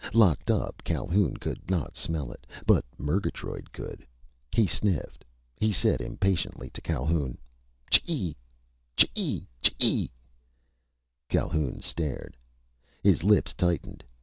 Locked up, Calhoun could not smell it. But Murgatroyd could. He sniffed. He said impatiently to Calhoun: "Chee! Chee chee!" Calhoun stared. His lips tightened.